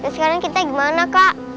sekarang kita gimana kak